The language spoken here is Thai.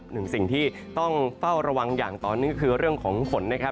หนึ่งสิ่งที่ต้องเฝ้าระวังอย่างตอนนี้ก็คือเรื่องของฝนนะครับ